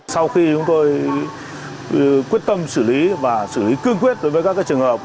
sau khi chúng tôi quyết tâm xử lý và xử lý cương quyết đối với các trường hợp